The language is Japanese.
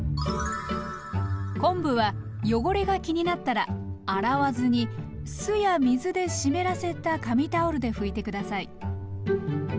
昆布は汚れが気になったら洗わずに酢や水で湿らせた紙タオルで拭いて下さい。